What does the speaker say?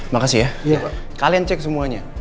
makasih ya kalian cek semuanya